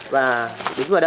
và đứng vào đây